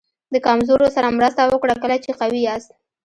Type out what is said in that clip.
د کمزورو سره مرسته وکړه کله چې قوي یاست.